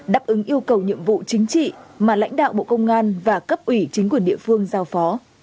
đáp ứng yêu cầu nhiệm vụ chính trị mà lãnh đạo bộ công an và cấp ủy chính quyền địa phương giao phó